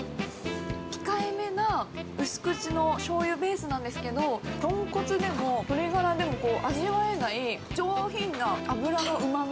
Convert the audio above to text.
控えめな薄口のしょうゆベースなんですけど、トンコツでも鶏がらでも味わえない上品な脂のうまみ。